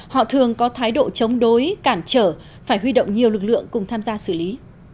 họ thường có thái độ chống đối cản trở phải huy động nhiều lực lượng cùng tham gia xử lý